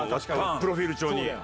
プロフィール帳に。